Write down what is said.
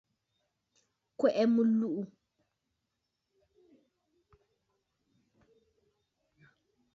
Kwɛ̀ʼɛ mɨlùʼù.